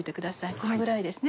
このぐらいですね